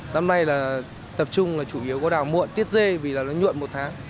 năm nay là tập trung là chủ yếu có đào muộn tiết dê vì là nó nhuộn một tháng